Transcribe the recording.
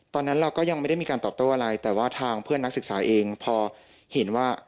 ตอนนั้นเราก็ยังไม่ได้มีการตอบโต้อะไรแต่ว่าทางเพื่อนนักศึกษาเองพอเห็นว่า